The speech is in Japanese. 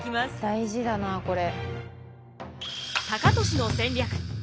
大事だなこれ。